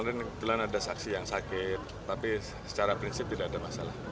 ya karena kemarin kebetulan ada saksi yang sakit tapi secara prinsip tidak ada masalah